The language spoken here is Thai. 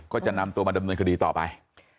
ก็จะนำตัวมาดำเนินคดีต่อไป